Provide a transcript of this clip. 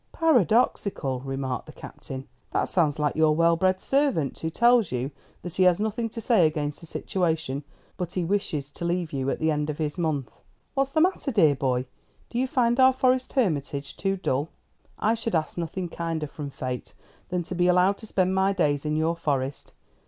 "Paradoxical!" remarked the Captain. "That sounds like your well bred servant, who tells you that he has nothing to say against the situation, but he wishes to leave you at the end of his month. What's the matter, dear boy? Do you find our Forest hermitage too dull?" "I should ask nothing kinder from Fate than to be allowed to spend my days in your Forest.